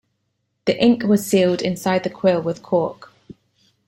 The ink was sealed inside the quill with cork.